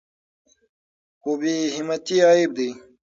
خو بې همتي عیب دی.